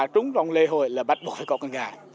trúng rồng lê hồi là bắt bỏ con gà